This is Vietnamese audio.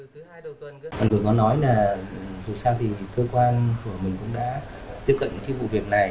dù sao thì cơ quan của mình cũng đã tiếp cận cái vụ việc này